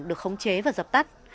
được khống chế và dập tắt